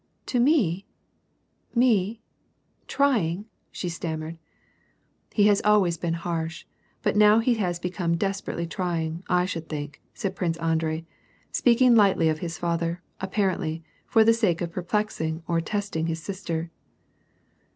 " To me — me — trying ?" she stammered. " He has always been harsh, but now he has become desper ately trying, I should think," said Prince Andrei, speaking lightly of his father, apparently, for the sake of perplexing or testing his sister.